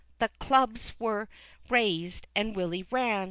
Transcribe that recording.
The clubs were raised, and Willy ran.